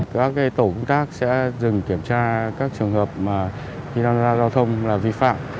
các tổ quốc tác sẽ dừng kiểm tra các trường hợp khi đang ra giao thông là vi phạm